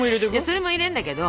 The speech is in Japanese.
それも入れんだけど。